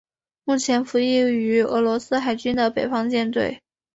目前服役于俄罗斯海军的北方舰队。